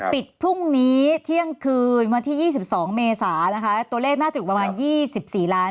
ปิดพรุ่งนี้เที่ยงคืนวันที่๒๒เมษานะคะตัวเลขน่าจะอยู่ประมาณ๒๔ล้าน